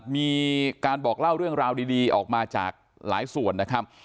มีการบอกเล่าเรื่องราวดีออกมาจากหลายส่วนนะครับ